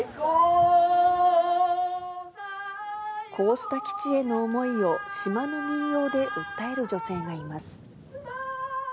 こうした基地への思いを、島の民謡で訴える女性がいます。